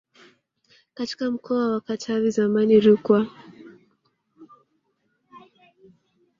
katika mkoa wa Katavi zamani Rukwa